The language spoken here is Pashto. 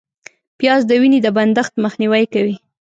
پیاز د وینې د بندښت مخنیوی کوي